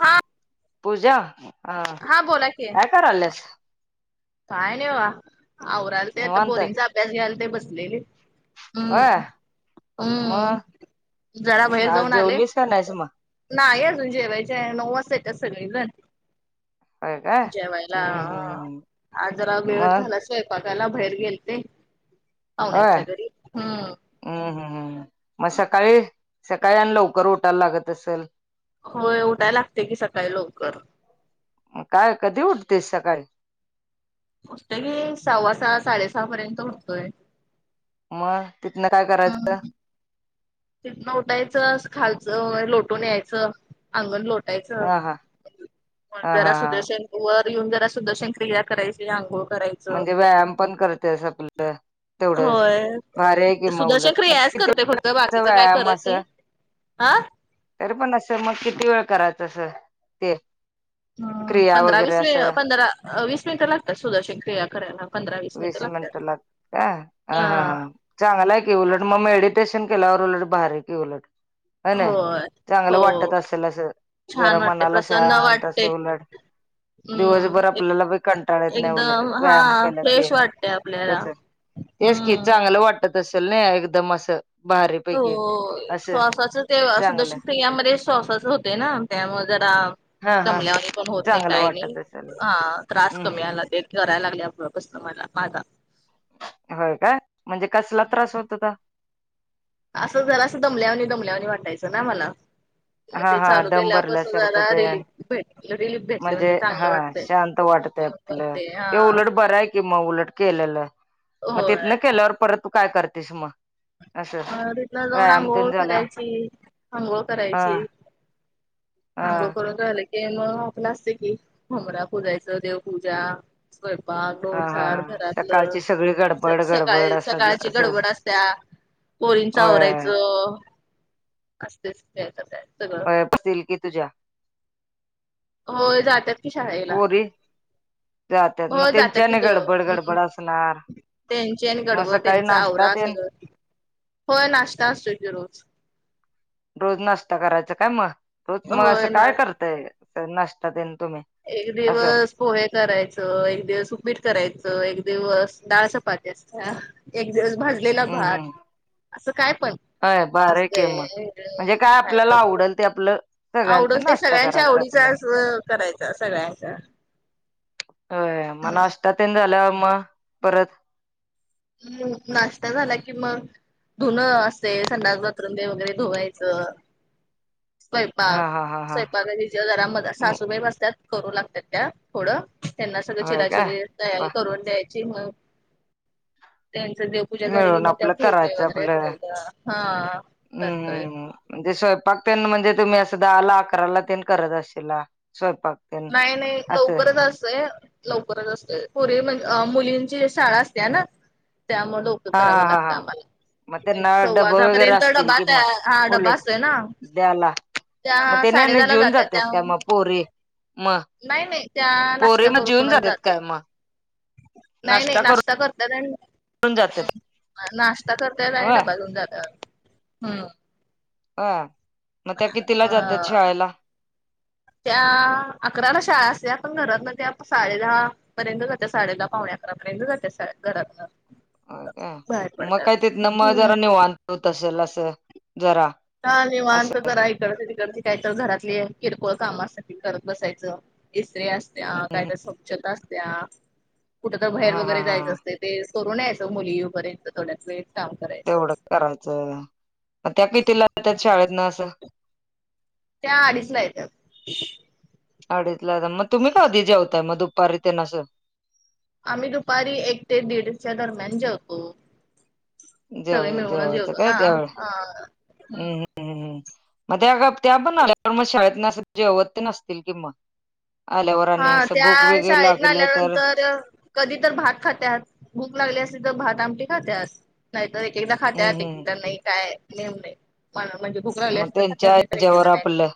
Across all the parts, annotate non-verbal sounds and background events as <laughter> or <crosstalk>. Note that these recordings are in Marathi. हा. पूजा हा, हा बोला की काय कराल्यास? काय नाही बघा, आवरालते आता निवांत पोरिंगचा अभ्यास घ्यालते बसलेले. होय हम्म हम् मग जरा बाहेर आज जाऊन आले जेवलीस का नाहीस मग नाही अजून जेवायची हाय नऊ वाजता येतात सगळी जन होय काय जेवायला. हम्म हम्म हम्म आज जरा वेळच मग झालाय स्वयंपाकाला, बाहेर गेलते होय पाहुण्यांच्या घरी हम्म, हम्म हम् हम् मग सकाळी सकाळी आणि लवकर उटायला लागत असल? होय उठाय लागते की सकाळी लवकर. म काय कधी उठतीस सकाळी? उटते की सव्वा सहा साडेसहा पर्यंत उटतोय. म तिथन काय करायचं? तिथन उटायचं खालचं वगैरे लोटून यायचं अंगण लोटायचं, हा हा हा घरा हा हा सुदर्शन वर येऊन जरा सुदर्शन क्रिया करायची आंघोळ करायची म्हणजे व्यायाम पण करते स आपल तेवढंच, होय भारी हाय कि म सुदर्शन उलट क्रियाच करते फक्त <unintelligible> बाकीच काय व्यायाम अस? करत नाही हा. तरी पण असं मग किती वेळ करायचं असं ते? क्रिया पंधरा वगैरे वीस असं पंधरा वीस मिनट लागतात सुदर्शन क्रिया करायला. वीस मिनिट लागतात काय अ हा हा हा. चांगला आहे की उलट, म मेडिटेशन केल्यावर उलट भारी की उलट. व्हय नी होय चांगलं हो वाटत असल असं छान जरा वाटते मनाला प्रसन्न शांत अस वाटते. उलड दिवसभर हम्म आपल्याला बी कंटाळा येत नाही उलट एकदम हा व्यायाम केला की फ्रेश वाटतंय आपल्याला तस तेच की हम. चांगलं वाटत असेल नाही एकदम असं? हो भारीपैकी असं श्वासाच ते आस दश चांगलं क्रिया मध्ये श्वासच होते ना त्यामुळे जरा हा हा दमल्या वाणी होत नाही चांगलं काय नाही वाटत असेल त्रास हम्म कमी हम्म आला त्या कराय लागल्या पासान मला माझा. होय काय! म्हणजे कसला त्रास होत होता? असं जरास दमल्यावनी, दमल्यावनी, वाटायचं ना मला म हा ते हा चालू दम केल्यापासून भरल्यासारखं जरा ते रिलीफ भेट रिलीफ भेटलं म्हणजे चांगलं हा वाटतय शांत <inaudible> ते उलट बरंय म उलट केलेलंय, मग होय तिथनं केल्यावर परत काय करतीस म? म तिथनं जाऊन आंघोळ झाला करायची आंघोळ हा करायची हा आंघोळ करू मग झालं की मग आपलं असते की उबंरा पुजायचा, देवपूजा स्वयंपाक हा झोड हा झाड हा घरातलं, सकाळची सगळी गडबड गडबड सकाळ असं सकाळची असं गडबड असत्या पोरींच होय आवरायचं असतेच की काय तर काय सगळच होय असतील कि तुझ्या? होय जात्यात की शाळेला पोरी जात्यात मग हो त्यांच्यी जातात की आणि गडबड दो गडबड असणार त्यांची आणि म गडबड सक काळी त्यांचा नाष्टा आवरा तेन सगळं होय नाष्टा असतोय की रोज रोज नाष्टा करायच काय म? रोज मग असं होय ना काय करतय नाष्टा तेन तुम्ही? एक असं दिवस पोहे करायचं, एक दिवस उपीट करायचं, एक दिवस डाळ चपाती असत्या एक दिवस भाजलेला हम्म भात, हम्म असं काय पण होय भारी की असतय मग म्हणजे काय आपल्याला आवडल ते आपलं <inaudible> सगळ्यांचा आवडल ते नाश्ता सगळ्यांच्या करायचा आवडी आपला <unintelligible> सगळ्याच्या- होय नाष्टा तेन झाल्यावर म परत? नाष्टा झाला कि मग? धुणं असतय संडास, बाथरूम वगरै धुवायचं स्वयंपाक, हा हा हा हा स्वयंपाकाच्या ह्याच्यावर जरा मला सासूबाई बसत्यात करू लागत्यात, त्या थोडं त्यांना सगळी होय काय चिराचिरी बा तयारी करून द्यायची मग त्यांची देवपुजा झाली की मिळून मग आपलं करायचं आपलं <inaudible> हा करतोय हम्म म्हणजे स्वयंपाक ते म्हणजे तुम्ही असं दहाला अकराला तेन करत असशीला स्वयंपाक? तेन नायी नायी असं लवकरच असतय लवकरच असतय पोरी म्हणजे मुलींची शाळा असतीया ना? त्यामुळे लव कर हा हा करावं हा लागतं हा मग आम्हाला त्यांना सव्वा डबं दहा वगैरे पर्यंत असतील डबा की तया, मग हा डबा उलट असतोय ना? द्याला त्या मग तेनी आणि साडेदहाला जेऊन जात्यात त्या काय मग पोरी मग नायी, नायी त्या पोरी नाष्टा मग जेऊन करूनच जात्यात काय मग नायी नायी नाश्ता करून नाष्टा करत्यात ून जातात आणि नाष्टा करत्यात आणि होय डबा घेऊन जात्यात हा मग त्या कितीला अ जात्यात, शाळेला? त्या अकराला शाळा असतीया पण घरातनं त्या साडेदहा पर्यंत जाते साडे दहा पावणे अकरा पर्यंत जाते घरातनं हो काय, मग काय तिथ न मग हम्म जरा निवांत होत असल असं जरा का असं निवांत जरा इकडत तिकडची काय तर घरातली किरकोळ कामं असल ती करत बसायचं इस्ञी असत्या कायत स्वच्छता असत्या कुठं तर बाहेर हा हा वगैरे जायचं हा असतय ते करून यायचं मुली यवू पर्यंत थोड्यात वेळ काम करायचं. तेवढं करायचं मग त्या कितीला येत्यात शाळेत ना असं? त्या अडीच ला येतात. अडीच ला मग तुम्ही का आधी जेवताय मग दुपारी तेन असं आम्ही दुपारी एक ते दीडच्या दरम्यान जेवतो. सगळे जेव मिळवून जेवायचं जेवतो काय ना. त्यावेळे हम्म हम्म, मग त्या - त्या पण आल्या पण मग शाळेत असं जेवत तेन असतील किं मग आल्यावर आणि हा असं त्या भूक वगैरे शाळेतनं लागलं तर आल्यानंतर कधी तर भात खात्यात, भूक लागली असली तर भात आमटी, खात्यात नाहीतर एक एकदा हम्म हम्म खात्यातं नाही काय नेम नाही म्हणजे भूक लागली मग तर त्यांच्या खत्यात नाही तर ह्याच्यावर नाही आपलं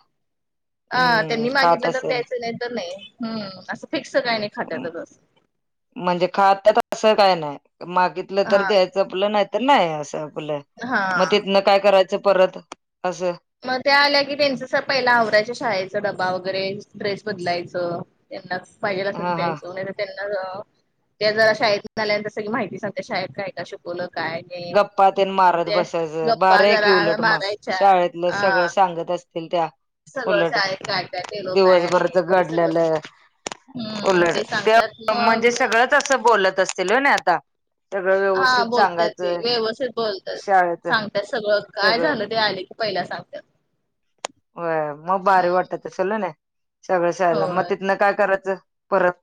अ- हम्म त्यांनी खात मागितलं तर असेल द्यायचं नाही तर नाही हम्म, असं फिक्स काही नाही खात्यातच म्हणजे खातात असं काय नाही मागितलं तर हा द्यायचं आपलं नाही तर नाही असं आपल मग हा. तिथनं, काय करायचं परत असं मग त्या आल्या की त्यांच पहिला आवऱ्याच्या शाळेचा डबा वगैरे ड्रेस बदलायचं त्यांना पाहिजे असं हा हा द्यायचं वगै त्यांना त्या जरा शाळेत आल्या सगळी माहिती सांगते शाळेत काय का शिकवलं काय नाही. गप्पा तेन मारत ते बसायचं गप्पा भारी जरा क उलट मग मारायच्या शाळेत अ सगळं, सांगत असतील त्या सगळं उलट शाळेत काय काय केलो काय नाही दिवसभरचं ते सगळं सांग घडलेलं हम्म उलट, ते त्या सांगतात म्हणजे मग सगळंच तसं बोलत असतील आता सगळं हा व्यवस्थित सांग बोलतात व्यवस्थित बोलतात चाग त्या सगळं, काय सगळं झालं ते आले की, पहिला सांगतात होय मग भारी वाटतं असेल ना सगळं शहायला मग होय. तिथनं काय करायचं परत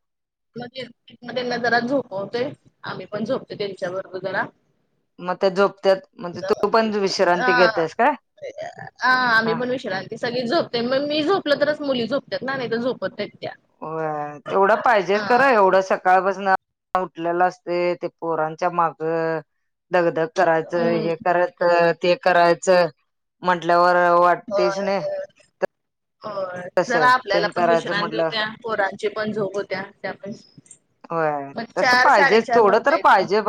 त्यांना जरा झोपवतोयं आम्ही पण झोपतो त्यांच्या बरोबर जरा मग त्या झोपतात म्हणजे तू पण विश्रांती हा घेतेसं काय? <unintelligible> हा आम्ही पण विश्रांती सगळी झोपते मग मी झोपलं तरच मुली झोपते ना नाही तर झोपत आहेत त्या होय, तेवढं पाहिजे हा करा एवढं स सकाळपासूनं उठलेलं, असते ते पोरांच्या माग धक- धक करायचं करायचं हम्म हे - करायचं ते करायचं म्हंटल्यावर वाट तेचं नाय हो जरा आपल्याला तेन पण करायचं विश्रांती म्हटलं होत्या, पोरांची पण झोप होत्या त्या पण होय मग तसं चार पाहिजे साडेचार ला थोडं तर उठायचं. पाहिजे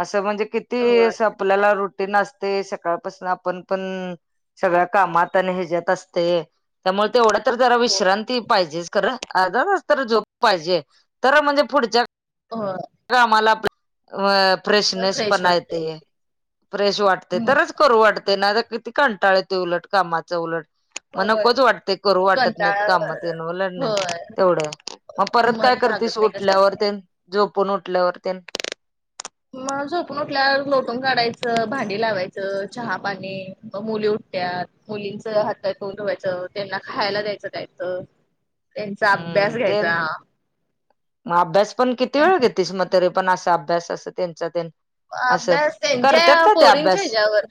असं म्हणजे किती होय. असं आपल्याला रुटीन, असते. सकाळपासून आपण पण सगळ्या कामात आणि ह्याच्यात असते. त्यामुळे तेवढं तर जरा हो विश्रांती पाहिजेचं तर अर्धा, तास तर झोप पाहिजे तर म्हणजे पुढच्या होय, कामाला आपले अ तर फ्रेशनेस फ्रेश पण येत वाटतय फ्रेश वाटते हम्म तरचं करू वाटते ना कंटाळा येतो उलट, कामाचं उलट मग होय नकोच वाटते करू वाटत नाहीत. कंटाळा काम तेल नाही होय तेवढं मग परत काय मन लागत करतेसं नाही कशाच उठल्यावर ते पण उठल्यावर तेन मग झोपून उठल्यावर लोटून, काढायचं भांडी, लावायचं चहा, पाणी म मुली उठत्या. मुलींच हातात तोंड धुवायचं त्यांना खायला द्यायचं खायचं. <inaudible> त्यांचा अभ्यास हम्म ते घ्यायचा मग अभ्यास पण किती त्यांच वेळ घेतीस मग तरी पण असा अभ्यास अस त्यांचा त्यां अभ्यास त्यांच्या पोरींच्या ह्याच्यावर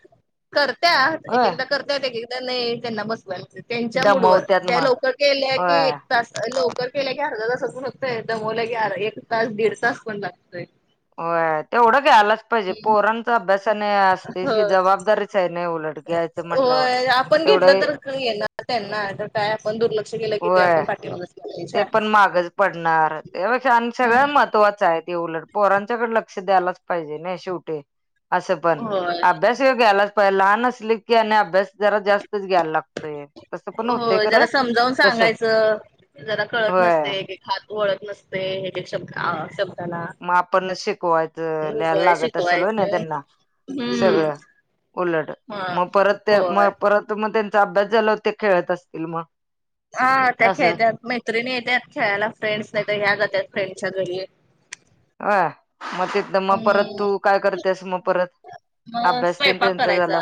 करत्या एक होय एकदा करतात एक नाही त्यांना बसवा लागते त्यांच्या मुडवर दमवत्यात त्या मग लवकर गेल्या होय की तास लवकर केल्या की अर्धा तास पण होतय दमवल की अ एक तास दीड तास पण लागतोय होय तेवढ घ्यायलाच पाहिजे पोरणचा अभ्यास नाही असतेस हो की जबाबदारीच आहे नाही उलट घ्यायच म्ह हो आपण घेतल तर येणार त्यांना तर काय आपण दुर्लक्ष केल की ते व्हय. आपण पाठव ते पण मागच पडणार त्यापेक्षा आणि सगळ्या महत्त्वाच आहेत ते उलट पोरांच्याकडे लक्ष द्यायलाच पाहिजे नाही शेवटी अस पण होय अभ्यास घ्यायलाच पाहिजे लहान असले की आणि अभ्यास जरा जास्तच घ्यायला लागतोय तसं पण होतंय हो जरा खरं समजावुन तसं सांगायच जरा कळत नसते होय एक हात वळत नसते हे एक शब्द शब्द मग आपणच शिकवायच लिहाला लागत असेल होय ना शिकवायचं त्यांना हम्म सगळ उलट हा मग परत त्या होय मग परत तर मग त्यांचा अभ्यास झाला वर ते खेळत असतील मग हा त्या असं खेळतात मैत्रिणी येतात खेळायला फ्रेंड्स नाही तर ह्या जातात फ्रेंडच्या घरी ह मग तिथं मग परत हम्म तु काय करतेस मग परत मग अभ्यास तेन स्वयंपाक त्यांचा झाला करायचा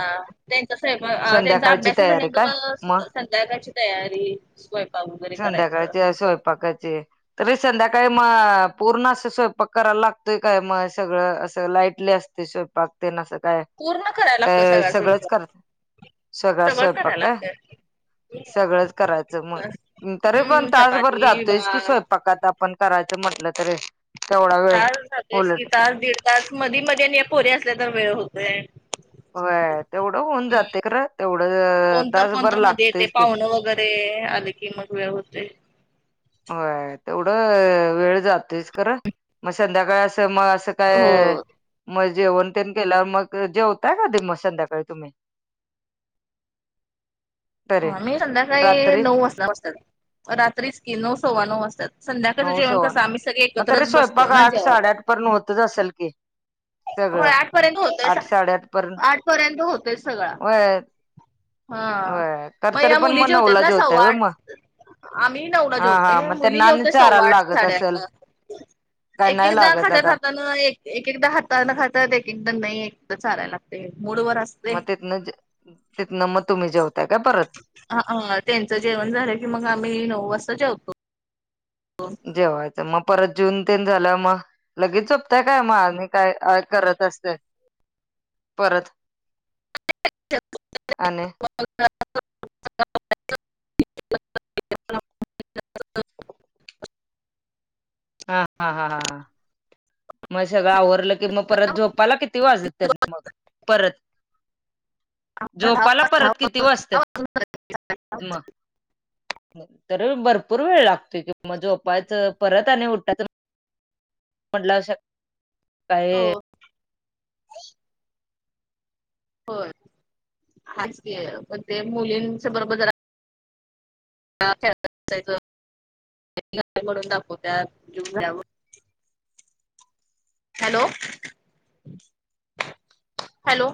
त्यांचा स्वयंपाक त्यांचा संध्याकाळची अभ्यास तयारी झाल्यानंतर काय मग संध्याकाळयची तयारी स्वयंपाक वगैरे करायच संध्याकाळची स्वयंपाकाची तरी संध्याकाळी म पुर्ण अस प करायला लागतोय काय मग सगळ अस लाईटली असते स्वयंपाक ते नास काय पूर्ण करायला लागतं तर सगळा सगळच स्वयंपाक करत सगळा सगळंच स्वयंपाक करायला का लागतं सगळच करायच मग तरी पण हम्म तासभर चपाती जातोय च की भात स्व पकात आपण करायच म्हटल तरी तेवढा वेळ तास जातस की उलट तास दीड तास मधी मध्ये आणि पोरीे असल्या तर वेळ होतोय- होय तेवढ होऊन जाते कारण तेवढ तासभर लागतेच की ते आले की मग वेळ होते होय तेवढ वेळ जातोयच खरच मग संध्याकाळी अस मग अस हो काय मग जेवण ते केल्यावर मग जेवताय कधी मग संध्याकाळी तुम्ही तरी आम्ही संध्याकाळी रात्री नऊ वाजता बसतात रात्रीच की नऊ सव्वा नऊ वाजतात संध्याकाळच नऊ जेवण सव्वा कस नऊ आम्ही सगळे मग तरी एकत्रच बसतो स्वयंपाक ना आठ जेवायला साडेआठ पर्यंत होतच असेल की होय सगळं आठपर्यंत होतस आठ साडेआठ पर्यंत आठ पर्यंत होतस सगळा होय हा मग होय तर पण तरी या मुली मग जे होत्या नऊला ना जेवताय होय सव्वाआठ मग आम्ही नऊला हा हा जेवतोय मग मुली त्यांना आणि जेवते सव्वा चारायला आठ लागत साडेआठ असेल ला- काय एक नाही एकदा लागत खात्या आता खात एकदा हाताना खातात एक एकदा नाही एक चालायला लागते मुडवर अस मग तिथन तिथन मग तुम्ही जेवताय काय परत होवु न त्यांच जेवण झाल की मग आम्ही नऊ वाजता जेवतो जेवायच मग परत जेवुन तेन झाल्यावर मग लगेच झोपताय काय मग आणि काय करत असते परत आणि <unintelligible> <inaudible> <inaudible> <unintelligible> हां -हां - हां हां मंग सगळं आवरलं की मंग परंत झोपायला किती वाजतं त्यांत मंग परंत, झोपायंला परंत किती वाजते मंग? तरी भरंपूर वेळ लागतो की मं झोपाचं परंत आणि उठांयचं- म्हणल्यांवर हो सकाळीं- होयं हांच कि ते मुलींच्या बरोबर जरां म्हणूंन दाखवते हॅलो हॅलो.